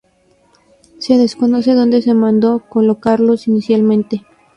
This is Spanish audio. Se desconoce dónde se mandó colocarlos inicialmente.